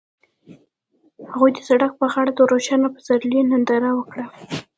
هغوی د سړک پر غاړه د روښانه پسرلی ننداره وکړه.